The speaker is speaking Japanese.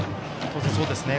当然そうですね。